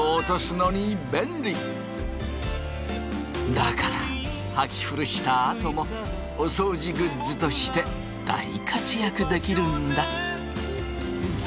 だからはき古したあともお掃除グッズとして大活躍できるんだ！